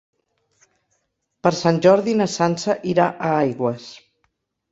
Per Sant Jordi na Sança irà a Aigües.